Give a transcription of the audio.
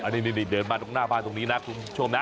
นี่เดินมาตรงหน้าบ้านตรงนี้นะคุณผู้ชมนะ